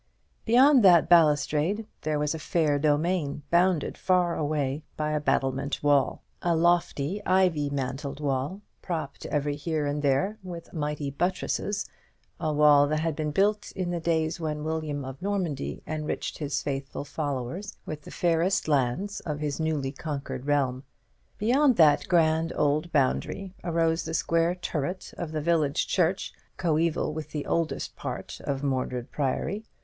Beyond that balustrade there was a fair domain, bounded far away by a battlemented wall; a lofty ivy mantled wall, propped every here and there with mighty buttresses; a wall that had been built in the days when William of Normandy enriched his faithful followers with the fairest lands of his newly conquered realm. Beyond that grand old boundary arose the square turret of the village church, coeval with the oldest part of Mordred Priory.